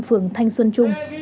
phường thanh xuân trung